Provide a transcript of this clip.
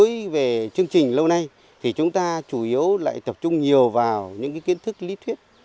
đối với chương trình lâu nay thì chúng ta chủ yếu lại tập trung nhiều vào những kiến thức lý thuyết